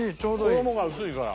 衣が薄いから。